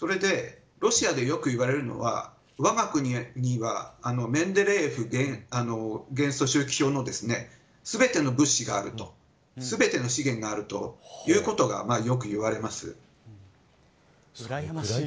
それでロシアでよく言われるのはわが国にはメンデレーエフ元素周期表の全ての物資があると全ての資源があるということがよく言われます。